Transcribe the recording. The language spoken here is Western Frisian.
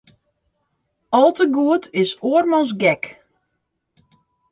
Al te goed is oarmans gek.